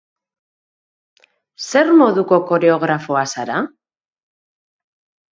Zer moduko koreografoa zara?